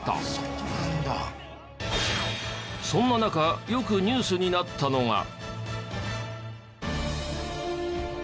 そんな中よくニュースになったのが。